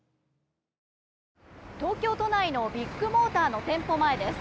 東京都内のビッグモーターの店舗前です。